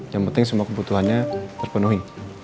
yang penting semua kebutuhannya terpenuhi